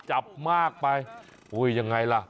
จับมากไปโอ้ยยังไงล่ะ